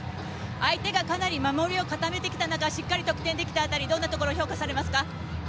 相手がかなり守りを固めてきた中しっかり得点できた辺りどんなところを評価されますか？